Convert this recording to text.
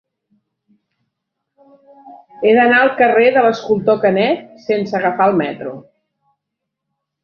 He d'anar al carrer de l'Escultor Canet sense agafar el metro.